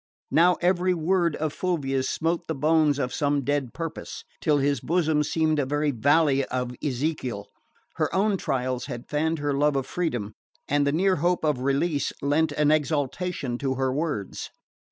Now every word of Fulvia's smote the bones of some dead purpose, till his bosom seemed a very valley of Ezekiel. Her own trials had fanned her love of freedom, and the near hope of release lent an exaltation to her words.